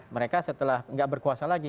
mereka setelah nggak berkuasa lagi